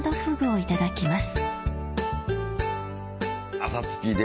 いただきます。